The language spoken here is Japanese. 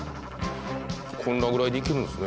こんなぐらいでいけるんですね。